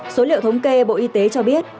số liệu thống kê bộ y tế cho biết